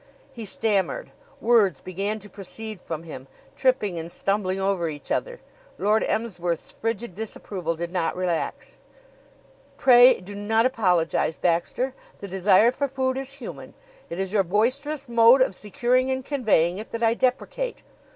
He stammered. Words began to proceed from him, tripping and stumbling over each other. Lord Emsworth's frigid disapproval did not relax. "Pray do not apologize, Baxter. The desire for food is human. It is your boisterous mode of securing and conveying it that I deprecate.